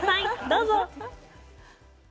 どうぞ。